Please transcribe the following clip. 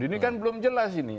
ini kan belum jelas ini